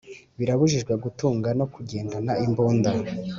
Birabujijwe gutunga no kugendana imbunda